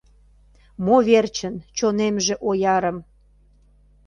Мо верчын чонемже оярым